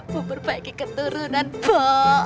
bu berbaiki keturunan bu